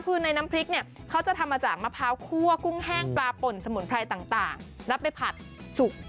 คือในน้ำพริกเนี่ยเขาจะทำมาจากมะพร้าวคั่วกุ้งแห้งปลาป่นสมุนไพรต่างรับไปผัดสุก